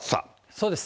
そうです。